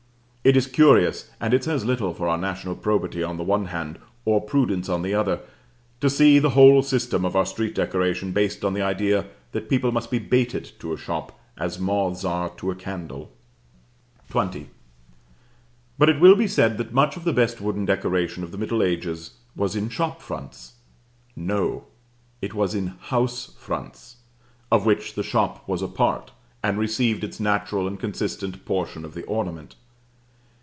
It is curious, and it says little for our national probity on the one hand, or prudence on the other, to see the whole system of our street decoration based on the idea that people must be baited to a shop as moths are to a candle. XX. But it will be said that much of the best wooden decoration of the middle ages was in shop fronts. No; it was in house fronts, of which the shop was a part, and received its natural and consistent portion of the ornament.